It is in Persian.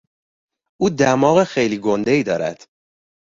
او دماغ خیلی گندهای دارد.